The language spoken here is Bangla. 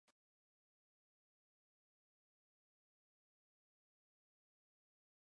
এই ডিভাইস নিয়ে হলে ঢুকে পরীক্ষার্থীরা তাঁদের কাছে প্রশ্নপত্র পাঠান।